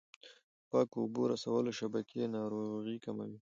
د پاکو اوبو رسولو شبکې ناروغۍ کموي.